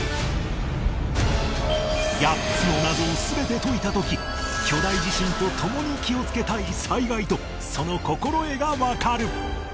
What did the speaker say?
８つの謎を全て解いた時巨大地震と共に気をつけたい災害とその心得がわかる！